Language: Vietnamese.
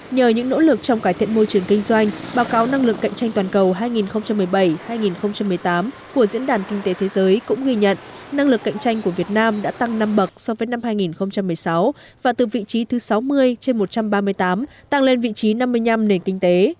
nhờ những nỗ lực trong cải thiện môi trường kinh doanh báo cáo năng lực cạnh tranh toàn cầu hai nghìn một mươi bảy hai nghìn một mươi tám của diễn đàn kinh tế thế giới cũng ghi nhận năng lực cạnh tranh của việt nam đã tăng năm bậc so với năm hai nghìn một mươi sáu và từ vị trí thứ sáu mươi trên một trăm ba mươi tám tăng lên vị trí năm mươi năm nền kinh tế